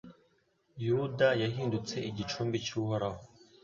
Yuda yahindutse igicumbi cy’Uhoraho